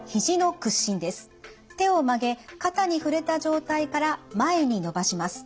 手を曲げ肩に触れた状態から前に伸ばします。